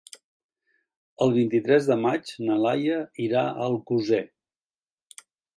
El vint-i-tres de maig na Laia irà a Alcosser.